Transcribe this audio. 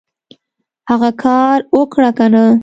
هغه کار اوکړه کنه !